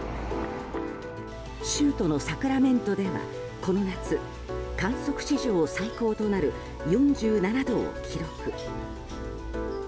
州都のサクラメントではこの夏、観測史上最高となる４７度を記録。